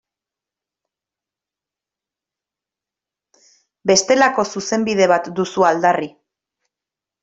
Bestelako Zuzenbide bat duzu aldarri.